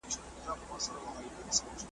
د نامردو له روز ګاره سره کار وي .